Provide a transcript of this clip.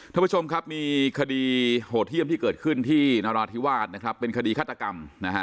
ทุกผู้ชมครับมีคดีโหดเที่ยมที่เกิดขึ้นที่นราธิวาสเป็นคดีคาดกรรม